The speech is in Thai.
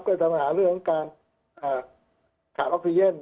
ก็จะมีปัญหาเรื่องของการขาดออฟเฟียน